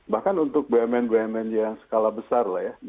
bahkan untuk bumn bumn yang skala besar lah ya